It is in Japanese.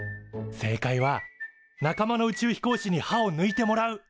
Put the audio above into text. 正解は仲間の宇宙飛行士に歯をぬいてもらう。